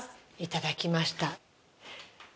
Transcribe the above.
頂きました。